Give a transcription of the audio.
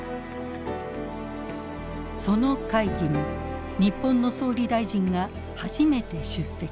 その会議に日本の総理大臣が初めて出席。